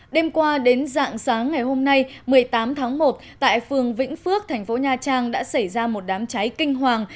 đêm qua đến dạng sáng ngày hôm nay một mươi tám tháng một tại phường vĩnh phước thành phố nha trang đã xảy ra một đám cháy kinh hoàng